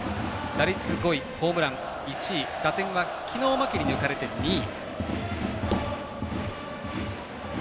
打率５位、ホームラン１位打点は昨日、牧に抜かれて２位。